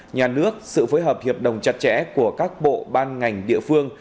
nhà nước sự phối hợp hiệp đồng chặt chẽ của các bộ ban ngành địa phương